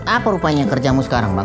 apa rupanya kerjamu sekarang bang